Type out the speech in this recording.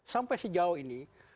sampai sejauh ini